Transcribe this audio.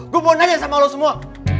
gue mau nanya sama lo semua